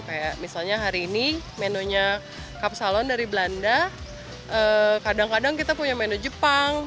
kayak misalnya hari ini menunya kapsalon dari belanda kadang kadang kita punya menu jepang